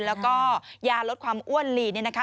แล้วก็ยาลดความอ้วนลีเนี่ยนะคะ